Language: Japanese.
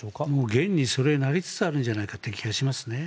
現にそれになりつつあるんじゃないかという気がしますね。